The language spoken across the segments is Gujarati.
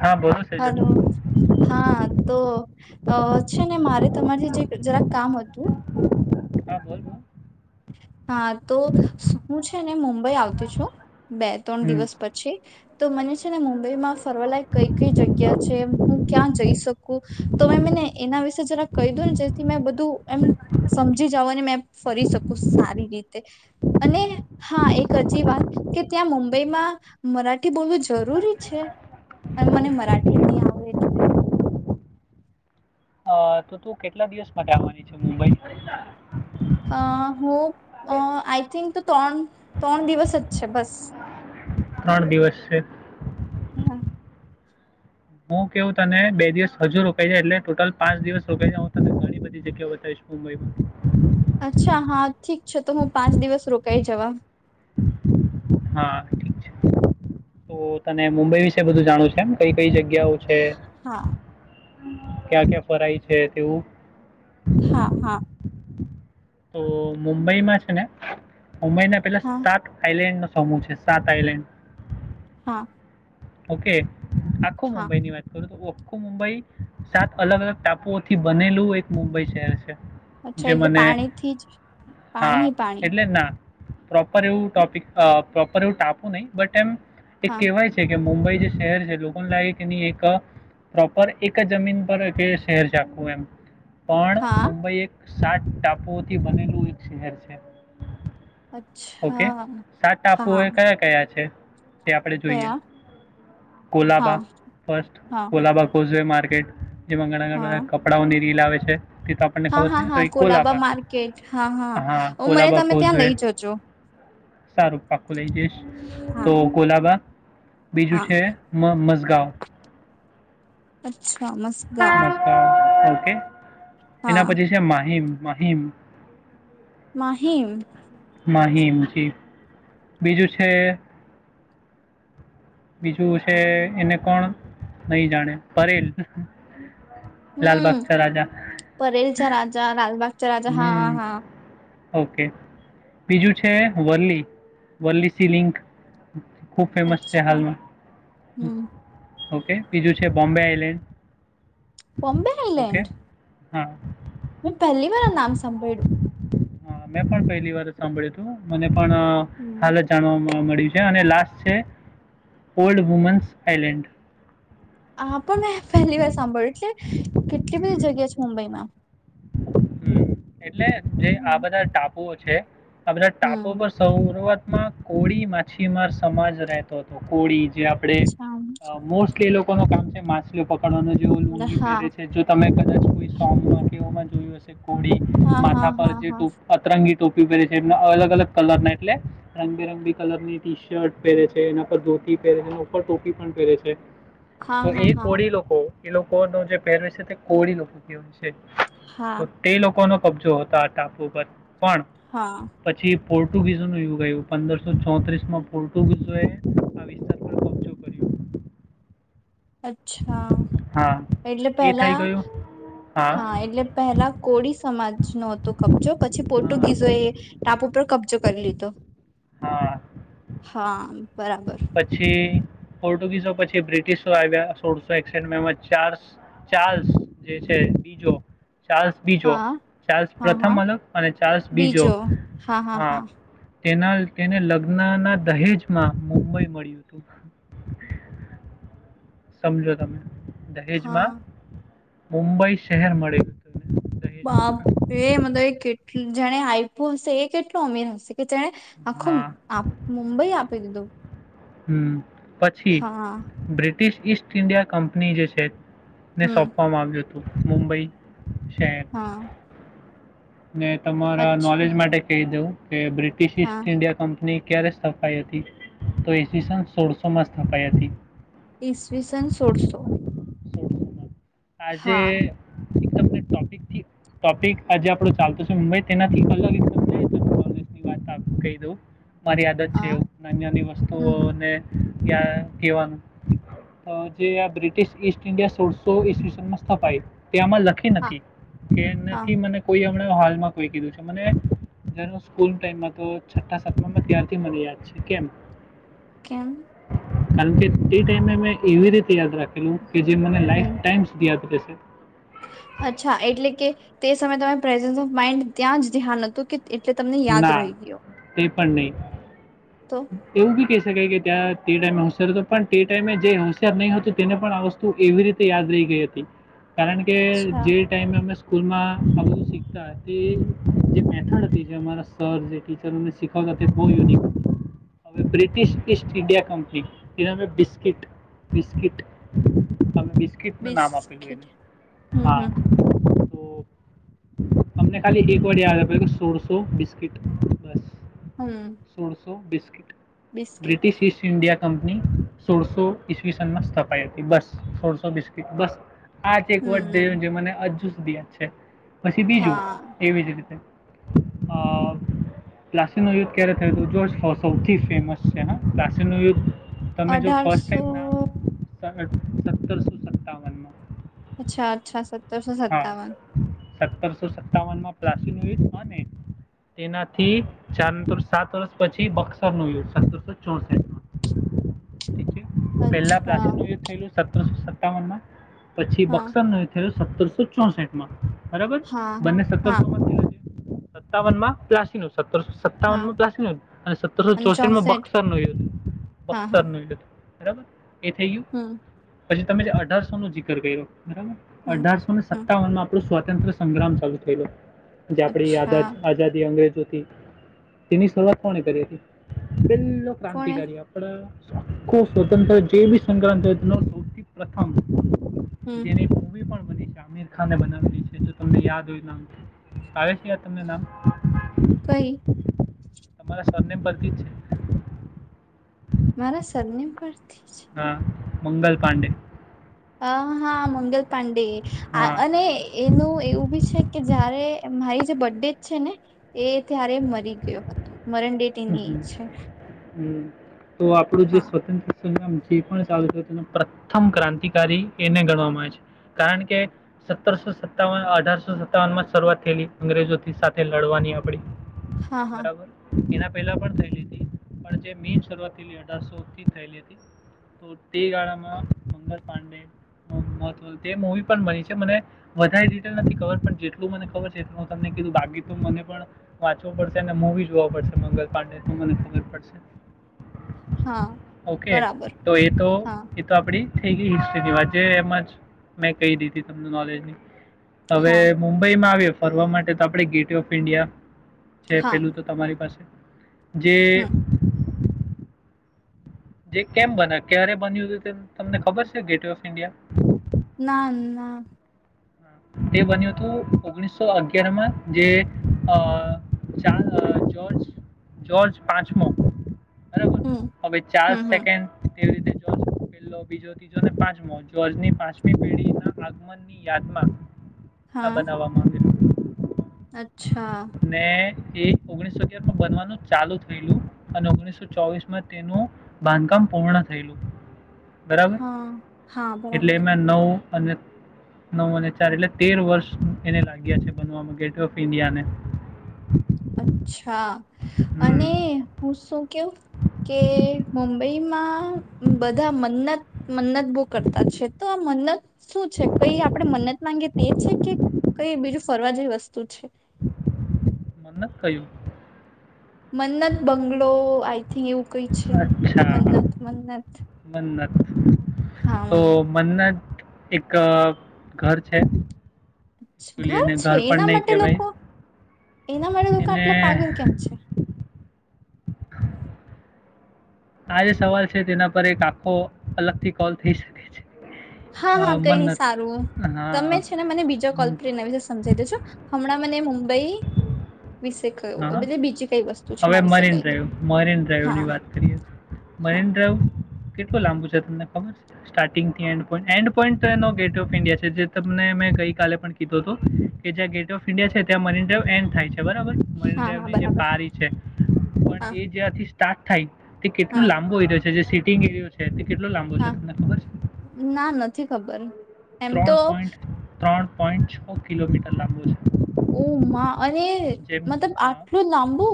હા બોલોું છેજ હલો હા તો અ છે ને મારે તમારથી જે જરાક કામ હતું બોલ બોલ. હા તો હું છે ને મુંબઈ આવતી છું બે ત્રણ હમ દિવસ પછી તો મને છે ને મુંબઈમાં ફરવાલાયક કઈ કઈ જગ્યા છે હું ક્યાં જઈ શકું તો મે મને એના વિશે જરા કહી દું ને જેથી મેં બધું એમ સમજી જાવ ને મે ફરી શકું સારી રીતે અને હા એક હજી વાત કે ત્યાં મુંબઈમાં મરાઠી બોલવું જરૂરી છે અને મને મરાઠી નહી આવે એટલે અ, તો તું કેટલા દિવસ માટેવાની છે મુંબઈ અ હું આઈ થિંક તો ત્રણ ત્રણ દિવસ જ છે બસ ત્રણ દિવસ છે હા હું કેવું તને બે દિવસ હજુ રોકાઈ જાય એટલે ટોટલ પાંચ દિવસ રોકાઈ જાય હું તને ઘણી બધી જગ્યા બતાવીશ મુંબઈમાં અચ્છા હા ઠીક છે તો હું પાંચ દિવસ રોકાઈ જવા હા ઠીક છે તો તને મુંબઈ વિશે બધું જાણવ છે એમ કઈ કઈ જગ્યાઓ છે હા ક્યા ક્યાં ફરાય છે તેવું હા હા તો મુંબઈમાં છે ને ઉમર ના પેલા હા સાત આઈલેન્ડ ન સમૂહ છે સાત આઈલેન્ડ હા ઓકે આખું હા મુંબઈ ની વાત કરું તો આખું મુંબઈ સાત અલગ અલગ ટાપુઓથી બનેલું એક મુંબઈ શહેર છે અચ્છા જે એટલે મને પાણીથી જ પાણી હા, હ પાણી એટલે ના પ્રોપર એવું ટોપિક પ્રોપર એવું ટાપું નહીિ બટ એમ એ હા કેહેવાય છે મુંબઈ જે શહેર છે લોકોને લાગે કે એની એક પ્રોપર એક જ જમીન પર કે શહેર છેખવું એમ પણ હા મુુંબઈ એક સાત ટાપુઓથી બનેલું એક શહેર છે. ઓકે અચ્છા સાત ટાપુ હા એ કયા-કયા છે. તે આપણે જોઈએ, કયા હા કોલાબા, ફસ્ટ હા કોલાબા કોઝવે, માર્કેટ, જેમાં ઘણા ઘણા હા બધા કપડાંઓની રીલ આવે છે. તે તો આપણને હા ખબર છે હા ને તો હા કોલાબા માર્કેટ હા હા ઓ મને કોલાબા તમે ત્યાં કોઝવે લઈ જજો સારું પાકો લઈ જઈશ, તો હા કોલાબા બીજું હા છે મ સ ગાં અચ્છા. છોમસ્ગા મઝગાંવ ઓકે. એના પછી છે માહીમ મહહીમ, માહિમ, માહીમજી બીજું છે, બીજું છે એને કોણ નહી જાણે ફરલ હમ પરેલ છે રાજા લલબાગ રાજા હા હમ હા. ઓકે બીજું છે વરલી વરલી સી લિંક ખૂબ ફેમસ છે અચ્છા હાલમાં, હમ. ઓકે બીજું છે બોમ્બે આઈલેન્ડ, બોમ્બે આઇલેન્ડ, હા. મેં પહેલી વાર નામ સંંભળ્યું. હા મેં પણ પહેલી વાર સાંભળ્યું હતું મને પણ હમ હાલત જાણવાવામાં, મળ્યું છે અને લાસ્ટ છે ઓલ્ડ વુમન્સ આઇલેન્ડ. હ પણ મે પહેલી વાર સાંભળ્યું એટલે કેટલી બધી જગ્યા છે મુંબઈમાં. હમ એટલે જે આ હમ બધા ટાપુ છે. પા ટાપો હમ પર સૌવા માં કોળી માછીમાર સમાજ રહેતો હતો કોળી જે આપણે અચ્છા. મોલી એ લોકો કામ છે મા નો જેવ એટલે લુંગી હા પેરે છે જો તમે કો સમાં કે જોયિવસે હા હા માથા પર હા જે હા ટ અતરંગી ટોપી પહેરે છે એના અલગ અલગ કલર ના એટલે રંગબેરંગી કલરની ટી શર્ટ પહેરે છે એના પર ધોતી પહેરે છે એ ઉપર ટોપી પણ પહેરે છે હા તો હા એ હા કોડી લોકો એ લોકો ન જે પહેરવે છે તે કોળી લોકો કેહેવાય છે હા તો તે લોકોનો કબ જો હોતા ટાપુ પર પણ હા પછી પોર્ટુગીઝો ન ુગ આવું પંદરસો ચોત્રીસ માં પોર્ટુગીઝોએ આ વિસ્તાર પર કબજો કર્યો અચ્છા હા એટલે એ થઈ પહેલા ગયું હા એટલે પહેલા કોળી સમાજ ન તોું ક જો પછી હા પોર્ટુગીઝો એ ટાપ ઉપર કબજો કરી લીધો હા હા બરાબર પછી પોર્ટુગીસો પછી બ્રિટિશો આવ્યા સોળસો એકસઠમાં ચાર્લ્સ જે છે ડીજો ચાર્સ બીજો હા ચાર્સ હા પ્રથમ હા અલગ અને ચાર્લ્સ બીજો હા તેના તેને લગ્નના દહેજમાં મુંબઈ મળ્યું હતું સમજો તમે દહેજમાં હા મુંબઈ શહેર મળી હતું એને બાપ દહેજમાં રે મતલબ એ કેટલું જાણે આપ્યું હશે એ કેટલું અમીર હશે કે તેણે આખું હા મુંબઈ આપી દીધું હમ પછી હા Brit British East India company જે છે ને હમ સોંપવામાં આવ્યું હતું મુુંબઈ હા ને તમારા અચ્છા નોલેજ માટે કહી દઉં કે બ્રિટિશ હા ઇસ્ટ ન્ડિયા કંપની ક્યારે સ્થપાઈ હતી તો ઈસન સોળસો માં સ્થપાઈ હતી ઈસવી સન સોળસો સોળસોમાં. આજે હા ટપિક આજે આપડો ચાલતો છે મુંબઈ તેનાથી અલગઉ મારી આદત છે હા એ નાની નાની હમ વસ્તુઓને કવાનું જે બ્રિટિશ ઈસ્ટ ઇન્ડિયા સોળસો ઈ સમસ્ પ તે આમાં લખી હા નથી કે હા નથી મને કોઈ ીું છાત મને છે કે કેમ કારણ કે તે ટાઈમે મેં એવી રીતે યાદ રાખેલું કે જે મને લાઈફ હમ ટાઈમ પશે અચ્છા એટલે કે તે સમયે તમે પ્રેઝન્સ ઓફ માઈન્ડ ત્યાં જ ધ્યાન હતું કે એટલે તમને યાદ રહી ગયો પંહી તો એવું બી કે ત્યાં તે ટાઈમે હોશિયાર હતો પણ તે ટાઈમે જે હોશયાર નહી હતું તેને પણ આ વસ્તુ એવી રીતે યાદ રહી ગઈ હતી કારણ કે અચ્છા જે ટાઈમે અમે સ્કૂલમાં અિકતા તે જે મેથડ હતી જે અમારા સર જે ટીચરોને શીખવાતા બહુ યુનિક હવે બ્રિટિશ ઈસ્ટ ઇન્ડિયા કંપની એનામે બિસ્કીિટ બિસ્કીિટ સ્ટનું નામ આપેલું બિસ્કીટ એને હમ હા હમ તો તમને ખાલી એક વાર યાદ પડે કે સોરસો તો બિસ્કિટ બસ હમ સોળસો બીસ biscuit British East India company સોળસો ઈવીસન માં સ્થપાઈ હતી બસ સોળસો બસ આ ચ એક વર્ટ હમ થયું છે મને હજુ સુધી છે પછી બીજું હા એવી જ રીતે અ પ્લાસી ન યુદ્ધ ક્યારે થયું હતું જોર્જ સૌથી ફેમસ છે હ પ્લાસી ન યુદ્ધ તમે જો ફસ્ટ અઢારસો ટમ ના સત્તરસો સત્તાવન માં અચ્છા અચ્છા સત્તરસો સત્તાવન સત્તરસો સત્તાવનમાં પ્રાચીન હોયલ અને તેનાથી ચર સાત વર્ષ પછી બસર નય સતરસો ચોસઠ પેલા અચ્છા પ્લાસી થયેલું સત્તામના પછી હા બક્સર નો થયું સત્તરસો ચોસઠ માં બરાબર હા હા બંને હા સત્તરસો માં સત્તાવન માં પ્લાસી નું સત્રસો હા સત્તાવનમાં પ્લાું અને સત્રસો અને ચોસઠમાં ચોસઠ બસર ન હતું હા બસર હા ન હતું બરાબર એ થયું હમ પછી તમે જે અઢારસો નો જીકર કર્યો બરાબર હમ અઢારસો ને હમ સત્તાવન માં આપણું સ્વત સ્વતંત્ર સંગ્રામ ચાલુ થયેલો આપડી આ અચ્છા આઝાદી અંગ્રેજ તેની શરૂઆત કોને કરી હતી બિલ કોણે ક્રાંતિકારી આપડ આખો સ્વતંત્ર જે બી સંક્રાંત ન સૌથી પ્રથમ હમ જેની મ પણ આમીર ખાને બનાવેલી છે તો તમને યાદ હોય આવે છે તમને નામ કઈ તમારા સ્વરને પથી જ છે મારા સરની પરર હા મંગલ પાાંડે હ હા મંગલ પાંડે હા અને એનું એવું બી છે કે જયારે મારી જે બર્ડેજ છે ને એ ત્યારે મરી ગયો હતો મરણ ડે હમ, તેની એ છે હમ. તો આપણું જે હા સ્વતંત્ર જે ચાલ તે પ્રથમ ક્રાંતિકારી એને ગણવામાં આવે છે કારણ કે સત્તરસો સત્તાવન અઢારસો સત્તાવન માં શરૂઆત થયેલી અંગ્રેજો સાથે લડવાની આપડી હા હા બરાબર કેના પહેલાં પણ થયેલી હતી પણ જે મેન શરૂઆત થલી અઢારસોથી થયેલી હતી તો તે ગાળામાં મંગલ પાંડે મહત્વલ તે મૂવી પણ બની છે મને વધારે ડિટેલ નથી ખબર પણ જેટલું મને ખબર છે એટલું હું તમને કીધું બાકીી તો મને પણ વાંચવો પડશે અને મૂવી જોવા પડશે મંગલ પાડે તો મને ખબર પડશે હા ઓકે બરાબર તો એ તો હા એતો આપડી થઈ ગ હિસ્ટ્રીની વાત જે એમાં જ મેં કહી દીધી તમ નોલેજની હવે હા મુંબઈમાં આવ્યો ફરવા માટે તો આપણે ગેટવે ઓફ ઇન્ડિયા છે હા પેલું તો તમારી પાસે જે હમ જે કેમ બન ક્યારે બન્યું હતું તે તમને ખબર છે ગેટવે ઓફ ઇન્ડિયા ના ના તે બન્યું હતું ઓગણીસો અગયારમાં જેર્જ પાંચમો બરાબર હમ હવે ચાર હમ હમ સેકન્ડ તેવી રીતે જોર્જ પેલો બીજો ત્રીજો ને પાંચમો જોર્જ ની પાંચમી પેઢી ના આગમનની યાદમાં હા બનાવવામાં આવેલ અચા ને એ ઓગણીસો અગયાર બનવાનું ચાલુ થયેલું અને ઓગણીસો ચોવીસ માં તેનું બાંધકામ પૂર્ણ થયેલું બરાબર હા હા એટલે બરાબર એં નવ અને નવ અને ચાર એટલે તેર વર્ષ એને લાગ્યા છે બનવામાં ગેટ વ ઓફ ઇન્ડિયા ને અચ્છા હમ અને હું શું કે મુંબઈમાં બધા મન્નત મન્નત ઉ કરતા છે તો આ મનત શું છે કઈ આપણેે મન્નત માંગી તે છે કે કઈ બીજું ફરવા જેવી વસ્તુ છે મત કહું મનત બંગલોો આ થી એવું કઈ છે મન્નત મન્નત મનત હા તો મન્નત મન્ન એક ઘર છે એકચ્યુઅલી ઘર એને છે પણ એના નહીં માટે કહેવાય લોકો એના માટે લોકો એને આટલા પાગલ કેમ છે આ જે સવાલ છે તેના પર એક આખો અલગથી કોલ થઈ શકે છે હા અ, હા કઈ નઈ મન્નત સારું તમે હા છે ને મને બીજા કોલ હમ, પર એના વિશે સમજી દેજો હમણાં મને મુંબઈ દુંબઈ વિસે હા કયોતલે બીજી કઈ વસ્તુ છે હવે એના વિશે મરીન કહી દો ડ્રાઈવ મરીન ડ્રાઈવ ની હા વાત કરીએ હા મરીન ડ્રાઈવ કેટલું લાંબુ છે એન્ડ પોઈન્ટ તો એનો ગેટ ઓફ ઇન્ડિયા છે જે તમને મેં ગઈકાલે પણ કીધું કે જ્યા ગેટવે ઓફ ઇન્ડિયા છે ત્યાં મરીન ડ્રાાઈવ એન્ડ થાય છે બ બરાબર હા હા મહેનદરની જે બરાબર પારી પણ હા એ જ્યાંથી સ્ટાર્ટ થાય તે કેટલું હા લાંબો એરીયો છે જે ટી ગીયું છે. કેટલો લાંબો છે હા તમને ખબર ના નથી ખબર એમ તો ત્રણ પોઈન્ટ ત્રણ પોઈન્ટ છ કિલોમીટર લાંબો છે. ઉમા અરે જેમ મતલબ હા આટલું લાંબુ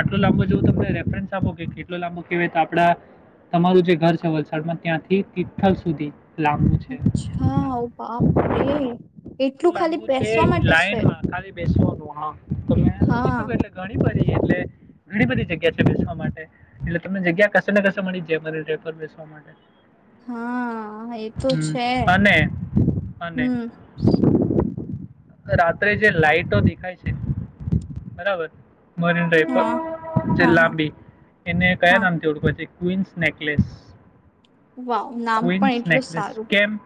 આટલો લાંબો જો તમને રેફરન્સ આપો કે કેટલો લાંબો કેહેવાય તો આપડા તમારું જે ઘર છે વલસાડમાં ત્યાંથી તિથલ સુધી લાંબ અચ્છા ઓ બાપ રે કેટલું એટલું ખાલી લાંબુ તે બેસવા માટે છે લાઈનમાં ખાલી બેસવાનું હા તો હા ત્યા ઘણી બધી એટલે ઘણી બધી જગ્યા છે બેસવા માટે એટલે તમને જગ્યા કશે ને કશે મળી જાય બેસવા માટે હા એ તો હમ. છે. અને અને હમ રાત્રે જે લાઈટો દેખાય છે બરાબર મરીન દ્રાય પર હા જે હા હા લાંબી એને કયા હા નામથી ઓળખો છે. ક્વિન્સ નેકલેસ વાવ નામ ક્વીન્સ પણ એટલું નેકલેસ સારું કેમ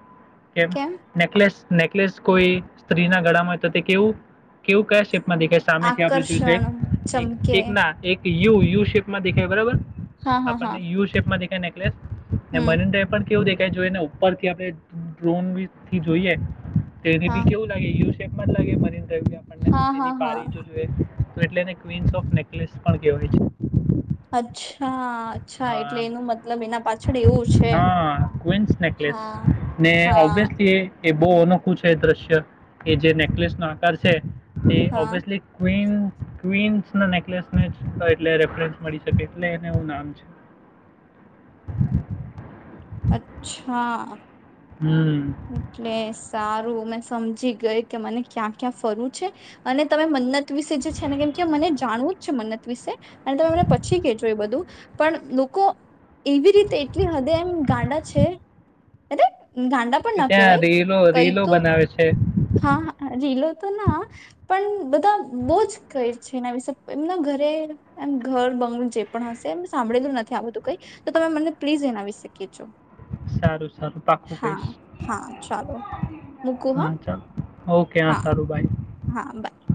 કેમ નેકલેસ કલેસ નેકલેસ કોઈ સ્ત્રીના ગળામાં તો તે કેવું કેવું કહે છે. માં દેખાય સામેથી આપણે જોઈ આકર્ષણ તો એક ચમકે એક ના એક યુ યુ શેપમાં દેખાય બરાબર હા હા હા આપણને યુ શેપમાં દે એ નેકલેસ હમ મનીન દ્રાય પર કેવું દેખ તે જોઈને ઉપરથી થી આપણે ડ્રોનથી જોઈએ. તો એને હા બી કેવું લાગી ગીયુ છે. મન લાાગે બને એવી આપણને હા હા એની પારી જો હા જોઈએ એટલે એને ક્વીિન્સ ઓફ નેકલેસ પણ કહેવાય છે. અચ્છા અચ્છા હા એટલે એનું મતલબ એના પાછળ એવું છે હા, ક્વીન્સ હા નેકલેસ ને હા ઓબ્વિયસલી એ બહુ અનોખું છે દ્રશ્ય એ જે નેકલેસ નો આકાર છે તે હા ઓબ્વિયસલી ક્િન ક્વિન્સ ના નેકલેસ ને જ એટલે રેફરન્સ મળી શકે એટલે એને એું નામ છે અચ્છા હમ એટલે સારું મે સમજી ગઈ કે મને ક્યાં ક્યાં ફરવ છે અને તમે મન જ વિશે છે ને કેમ કે મને જાણવું જ છે મને વિ તમેમને પછી કેજો એ બધું પણ લોકો એવી રીતે એટલી હદે એમ ગાંડા છે કે ના ત્યાં કવાય રીલો કઈ રીલો તો બનાવે છે હા ીલો તો ના પણ બધા બહુ જ કઈ છે એના વિશે એમના ઘરે એમ ઘર બંગલું જે પણ હશે એમ સાંભળેલું નથી આ બધું કઈ તો તમે મને પ્લીઝ એના વિશે કહેજો સારું સારું પાકું કઈશ હા ચાલો મૂકું હા ચાલ ઓકે હા સારું બાય હા બાય